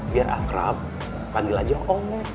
biar akrab panggil aja oh